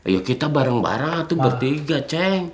ya kita bareng bareng tuh bertiga ceng